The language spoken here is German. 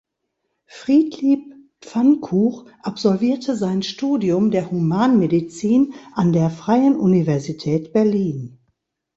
Friedlieb Pfannkuch absolvierte sein Studium der Humanmedizin an der Freien Universität Berlin.